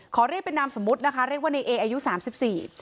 ขอเรียกเป็นนามสมมุตินะคะเรียกว่าในเออายุสามสิบสี่